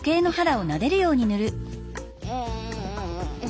うん。